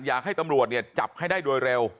อยากให้ตำรวจเนี่ยจับให้ได้โดยเร็ว